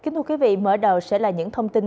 kính thưa quý vị mở đầu sẽ là những thông tin